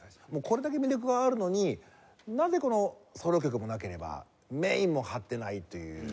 これだけ魅力はあるのになぜソロ曲もなければメインも張ってないという。